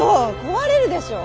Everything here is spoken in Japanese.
壊れるでしょ。